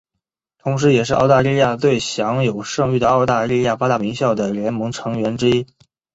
同时也是澳大利亚最享有盛誉的澳大利亚八大名校的联盟成员之一。